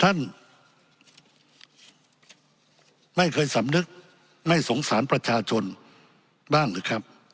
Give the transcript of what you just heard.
ท่านไม่เคยสำนึกไม่สงสารประชาชนบ้างหรือครับ